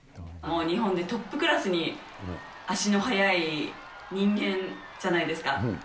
もう日本でトップクラスに足の速い人間じゃないですか。